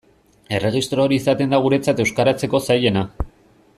Erregistro hori izaten da guretzat euskaratzeko zailena.